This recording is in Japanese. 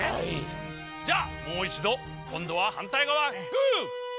じゃあもういちどこんどははんたいがわグー！